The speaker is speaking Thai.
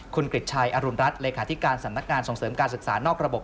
คุณกริจชัยอรุณรัฐเลขาธิการสำนักงานส่งเสริมการศึกษานอกระบบ